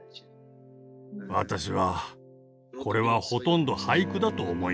私はこれはほとんど俳句だと思いました。